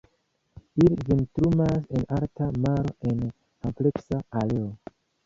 Ili vintrumas en alta maro en ampleksa areo.